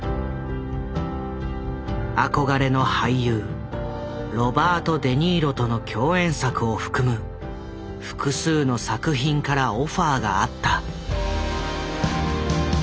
憧れの俳優ロバート・デ・ニーロとの共演作を含む複数の作品からオファーがあった。